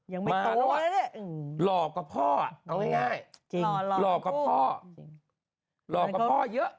หล่อกับพ่อเอาง่าย